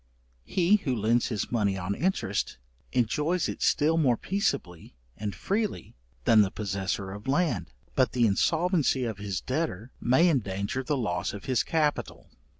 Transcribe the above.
He who lends his money on interest, enjoys it still more peaceably and freely than the possessor of land, but the insolvency of his debtor may endanger the loss of his capital.